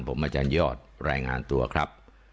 ผมอาจารยอดรายงานตัวครับ